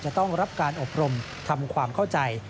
จะต้องรับการอบรมทำความเข้าใจ